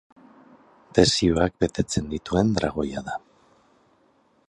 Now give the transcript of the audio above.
Desioak betetzen dituen dragoia da.